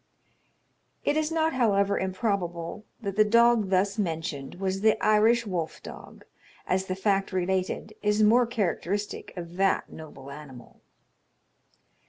It is not, however, improbable, that the dog thus mentioned was the Irish wolf dog, as the fact related is more characteristic of that noble animal.